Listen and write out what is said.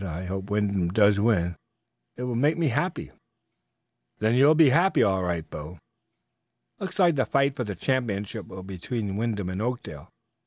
I hope Wyndham does win. It will make me happy." "Then you'll be happy, all right, Bo." "Looks like the fight for the championship will be between Wyndham and Oakdale.